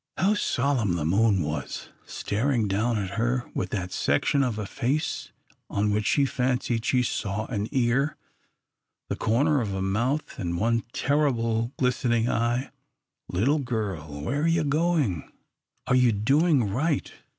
How solemn the moon was, staring down at her with that section of a face on which she fancied she saw an ear, the corner of a mouth, and one terrible, glistening eye. "Little girl, where are you going? Are you doing right?